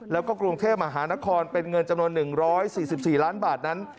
แล้วก็กรุงเทพมหานครเป็นเงินจำนวน๑๔๔ล้านบาทนั้น